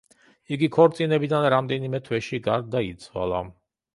იგი ქორწინებიდან რამდენიმე თვეში გარდაიცვალა.